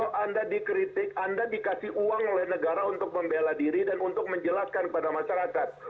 kalau anda dikritik anda dikasih uang oleh negara untuk membela diri dan untuk menjelaskan kepada masyarakat